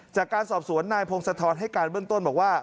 จากการสอบส่วนนายพงษ์สะทอดให้การเบื้องต้นว่า